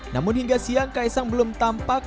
namun hingga siang kaisang belum tampak